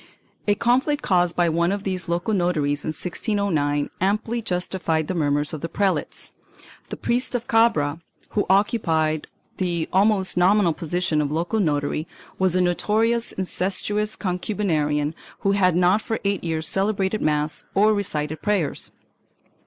3 A conflict caused by one of these local notaries in 1609 amply justified the murmurs of the prelates. The priest of Cabra, who occupied the almost nominal position of local notary, was a notorious incestuous concubinarian, who had not for eight years celebrated mass or recited prayers.